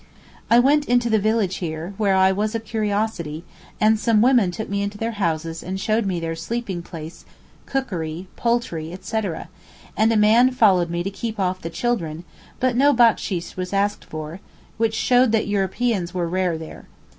I went into the village here, where I was a curiosity, and some women took me into their houses and showed me their sleeping place, cookery, poultry, etc.; and a man followed me to keep off the children, but no backsheesh was asked for, which showed that Europeans were rare there.